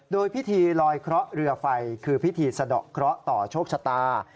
โดยพิธีลอยเคราะห์เรือไฟคือพิธีสะดอกเคราะห์ต่อโชคชะตา